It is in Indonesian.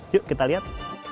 yuk kita lihat